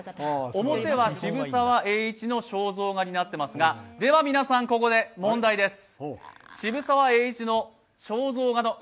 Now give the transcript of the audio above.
表は渋沢栄一の肖像画になってますが、では皆さん、ここで問題です。